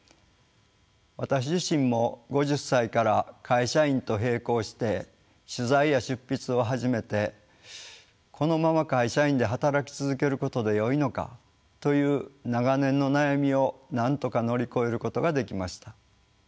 私自身も５０歳から会社員と並行して取材や執筆を始めてこのまま会社員で働き続けることでよいのかという長年の悩みをなんとか乗り越えることができました。